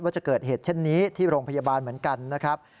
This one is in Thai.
ว่าจะเกิดเหตุเช่นนี้ที่โรงพยาบาลเหมือนกันนะครับ